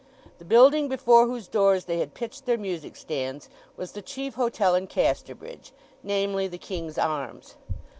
The building before whose doors they had pitched their music stands was the chief hotel in Casterbridge—namely, the King's Arms.